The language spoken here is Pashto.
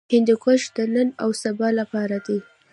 هندوکش د نن او سبا لپاره دی.